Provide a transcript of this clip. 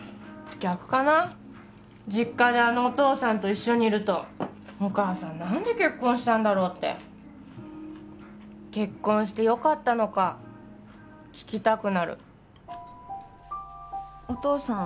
逆かな実家であのお父さんと一緒にいるとお母さん何で結婚したんだろうって結婚してよかったのか聞きたくなるお父さん